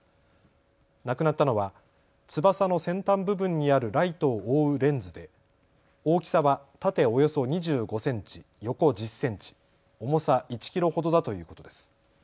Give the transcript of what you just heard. なくなったのは翼の先端部分にあるライトを覆うレンズで大きさは縦およそ２５センチ、横１０センチ、重さ１キロほどだということです。